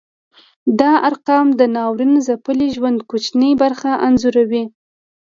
دا ارقام د ناورین ځپلي ژوند کوچنۍ برخه انځوروي.